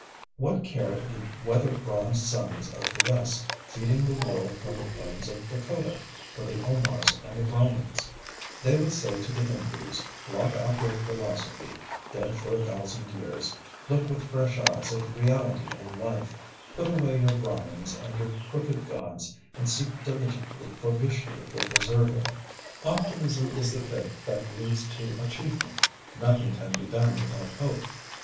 What care the weather bronzed sons of the West, feeding the world from the plains of Dakota, for the Omars and the Brahmins? They would say to the Hindoos, ŌĆ£Blot out your philosophy, dead for a thousand years, look with fresh eyes at Reality and Life, put away your Brahmins and your crooked gods, and seek diligently for Vishnu the Preserver.ŌĆØ Optimism is the faith that leads to achievement; nothing can be done without hope.